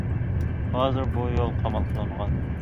ھازىر بۇ يول قامال قىلىنغان.